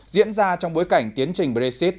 diễn ra trong bối cảnh tiến trình brexit